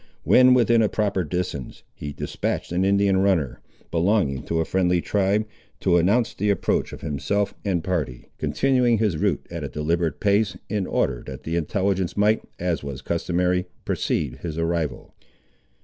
When within a proper distance, he despatched an Indian runner, belonging to a friendly tribe, to announce the approach of himself and party, continuing his route at a deliberate pace, in order that the intelligence might, as was customary, precede his arrival.